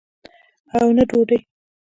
او نه ډوډۍ.